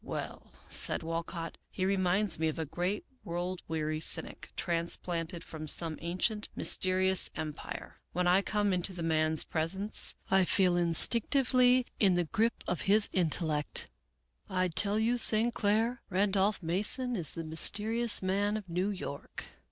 " Well," said Walcott, " he reminds me of a great world weary cynic, transplanted from some ancient mysterious em pire. When I come into the man's presence I feel in stinctively the grip of his intellect. I tell you, St. Clair, Randolph Mason is the mysterious man of New York."